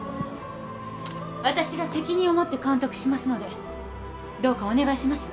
私が責任を持って監督しますのでどうかお願いします